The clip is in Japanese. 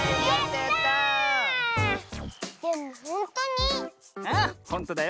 でもほんとに？